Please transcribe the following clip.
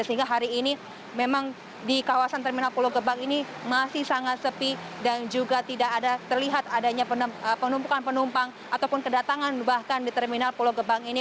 sehingga hari ini memang di kawasan terminal pulau gebang ini masih sangat sepi dan juga tidak ada terlihat adanya penumpukan penumpang ataupun kedatangan bahkan di terminal pulau gebang ini